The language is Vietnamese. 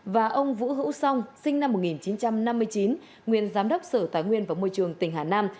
và ông vũ hữu song sinh năm một nghìn chín trăm năm mươi chín nguyên giám đốc sở tài nguyên và môi trường tỉnh hà nam